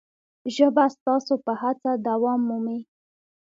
ژبه ستاسو په هڅه دوام مومي.